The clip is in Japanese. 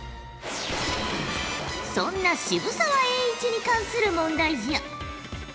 そんな渋沢栄一に関する問題じゃ。